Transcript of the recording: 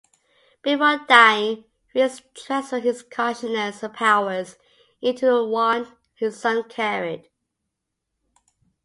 Before dying, Reece transferred his consciousness and powers into the wand his son carried.